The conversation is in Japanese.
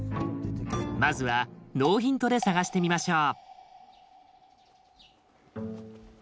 まずはノーヒントで探してみましょう。